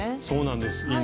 そうなんです。